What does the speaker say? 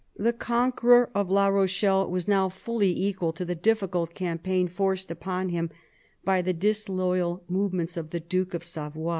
The conqueror of La Rochelle was now fully equal to the difficult campaign forced upon him by the disloyal movements of the Duke of Savoy.